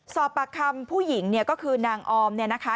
สอบปากคำผู้หญิงเนี่ยก็คือนางออมเนี่ยนะคะ